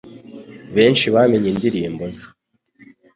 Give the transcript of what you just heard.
Benshi bamenye indirimbo ze